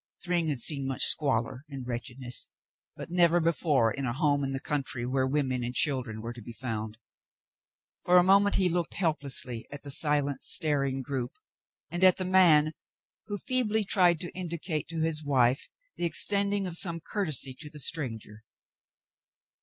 '* Thryng had seen much squalor and wretchedness, but never before in a home in the country where women and children were to be found. For a moment he looked helplessly at the silent, staring group, and at the man, who feebly tried to indicate to his wife the extending of some courtesy to the stranger.